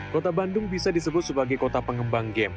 kota bandung bisa disebut sebagai kota pengembang game